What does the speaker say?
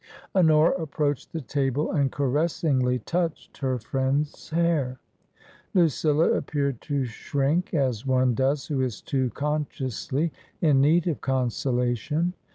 Honora approached the table and caressingly touched her friend's hair. Lucilla appeared to shrink, as one does who is too consciously in need of consolation.